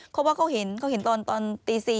เขาว่าเขาเห็นเขาเห็นตอนตี๔